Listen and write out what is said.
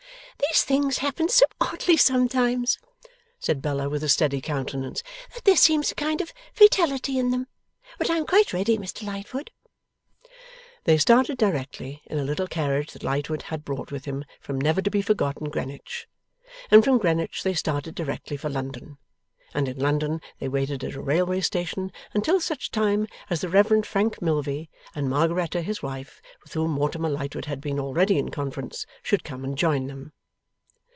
'These things happen so oddly sometimes,' said Bella with a steady countenance, 'that there seems a kind of fatality in them. But I am quite ready, Mr Lightwood.' They started directly, in a little carriage that Lightwood had brought with him from never to be forgotten Greenwich; and from Greenwich they started directly for London; and in London they waited at a railway station until such time as the Reverend Frank Milvey, and Margaretta his wife, with whom Mortimer Lightwood had been already in conference, should come and join them.